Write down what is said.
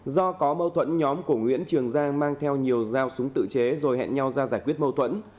do có mâu thuẫn nhóm của nguyễn trường giang mang theo nhiều dao súng tự chế rồi hẹn nhau ra giải quyết mâu thuẫn